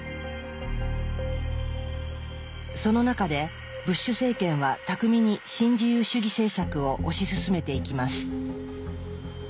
その中でブッシュ政権は巧みに新自由主義政策を推し進めていきます。